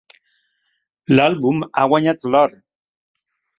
L'àlbum a guanyat l'or.